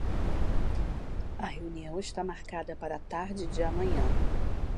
A reunião está marcada para a tarde de amanhã.